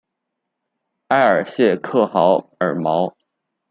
埃尔谢克豪尔毛。